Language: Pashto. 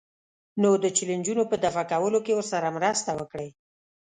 نو د چیلنجونو په دفع کولو کې ورسره مرسته وکړئ.